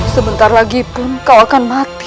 sebentar lagi pun kau akan mati